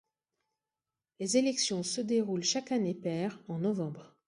Les élections se déroulent chaque année paire en novembre.